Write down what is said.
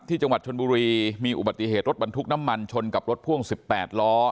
จังหวัดชนบุรีมีอุบัติเหตุรถบรรทุกน้ำมันชนกับรถพ่วง๑๘ล้อ